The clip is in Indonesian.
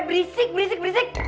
berisik berisik berisik